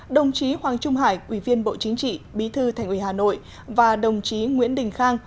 đồng chí hoàng trung hải ủy viên bộ chính trị bí thư thành ủy hà nội và đồng chí nguyễn đình khang